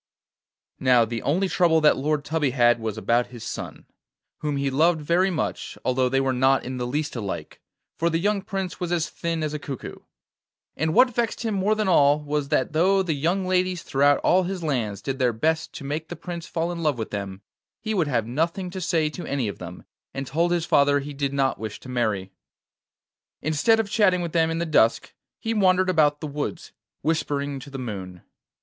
Now, the only trouble that Lord Tubby had was about his son, whom he loved very much, although they were not in the least alike, for the young Prince was as thin as a cuckoo. And what vexed him more than all was, that though the young ladies throughout all his lands did their best to make the Prince fall in love with them, he would have nothing to say to any of them, and told his father he did not wish to marry. Instead of chatting with them in the dusk, he wandered about the woods, whispering to the moon.